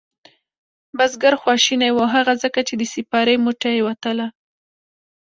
بزگر خواشینی و هغه ځکه چې د سپارې موټۍ یې وتله.